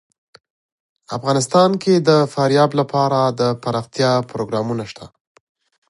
افغانستان کې د فاریاب لپاره دپرمختیا پروګرامونه شته.